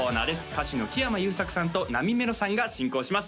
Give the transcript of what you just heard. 歌手の木山裕策さんとなみめろさんが進行します